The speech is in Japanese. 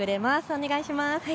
お願いします。